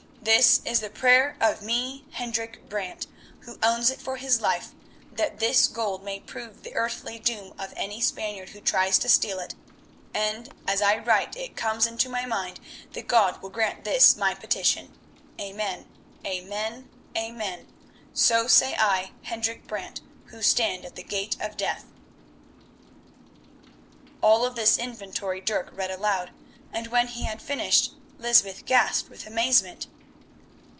This is the prayer of me, Hendrik Brant, who owns it for his life; that this gold may prove the earthly doom of any Spaniard who tries to steal it, and as I write it comes into my mind that God will grant this my petition. Amen. Amen. Amen! So say I, Hendrik Brant, who stand at the Gate of Death." All of this inventory Dirk read aloud, and when he had finished Lysbeth gasped with amazement.